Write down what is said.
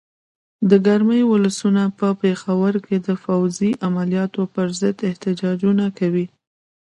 د کرمې ولسونه په پېښور کې د فوځي عملیاتو پر ضد احتجاجونه کوي.